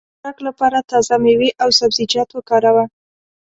د ښه خوراک لپاره تازه مېوې او سبزيجات وکاروه.